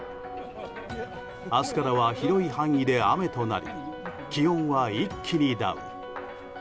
明日からは広い範囲で雨となり気温は一気にダウン。